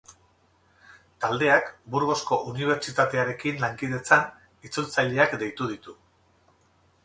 Taldeak, Burgosko Unibertsitatearekin lankidetzan, itzultzaileak deitu ditu.